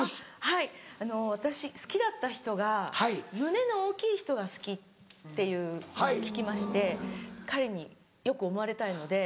はい私好きだった人が胸の大きい人が好きっていうのを聞きまして彼に良く思われたいので。